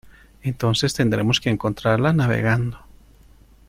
entonces tendremos que encontrarla navegando.